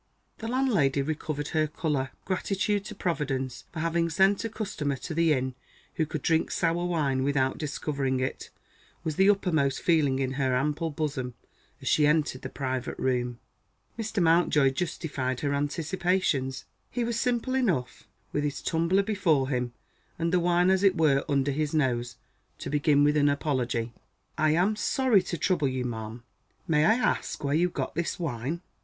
The landlady recovered her colour. Gratitude to Providence for having sent a customer to the inn, who could drink sour wine without discovering it, was the uppermost feeling in her ample bosom as she entered the private room. Mr. Mountjoy justified her anticipations. He was simple enough with his tumbler before him, and the wine as it were under his nose to begin with an apology. "I am sorry to trouble you, ma'am. May I ask where you got this wine?"